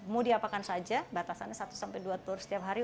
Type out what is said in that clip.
mau diapakan saja batasannya satu sampai dua telur setiap hari